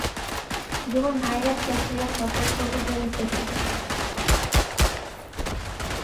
যেমন:- ভাইরাস, ব্যাকটেরিয়া, ছত্রাক, প্রোটোজোয়া ইত্যাদি।